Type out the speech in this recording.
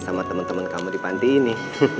sama temen temen kamu di panti ini